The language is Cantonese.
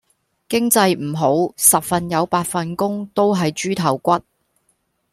經濟唔好十份有八份工都喺豬頭骨